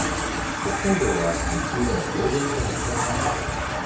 北海道は日中でも０度以下の所が多いでしょう。